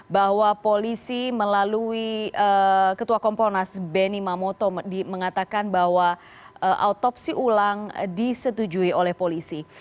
bahwa polisi melalui ketua komponas benny mamoto mengatakan bahwa autopsi ulang disetujui oleh polisi